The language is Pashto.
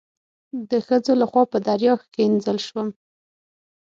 د ښځو لخوا په دریا ښکنځل شوم.